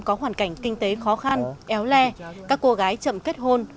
có hoàn cảnh kinh tế khó khăn éo le các cô gái chậm kết hôn